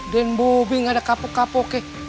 dan bobi enggak ada kapok kapoknya